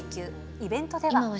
イベントでは。